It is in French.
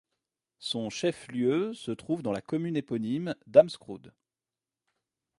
Son chef-lieu se trouve dans la commune éponyme d'Amskroud.